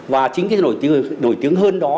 và chính cái nổi tiếng hơn đó